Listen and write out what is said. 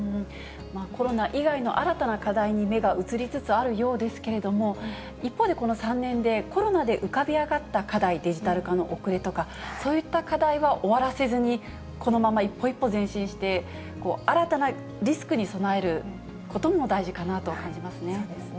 コロナ以外の新たな課題に、目が移りつつあるようですけれども、一方でこの３年でコロナで浮かび上がった課題、デジタル化の遅れとか、そういった課題は終わらせずに、このまま一歩一歩前進して、新たなリスクに備えることも大事かなと感じますね。